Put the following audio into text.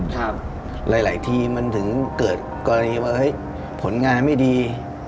หลายทีมันถึงเกิดกรณีว่าผลงานไม่ดี